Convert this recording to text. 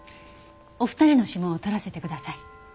お二人の指紋を採らせてください。